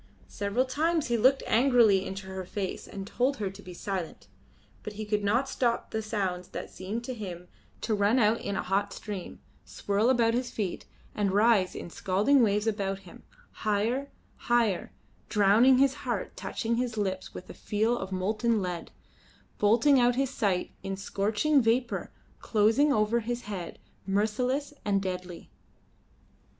Several times he looked angrily into her face and told her to be silent; but he could not stop the sounds that seemed to him to run out in a hot stream, swirl about his feet, and rise in scalding waves about him, higher, higher, drowning his heart, touching his lips with a feel of molten lead, blotting out his sight in scorching vapour, closing over his head, merciless and deadly.